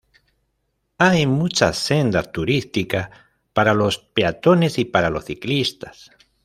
Hay muchas sendas turísticas para los peatones y para los ciclistas.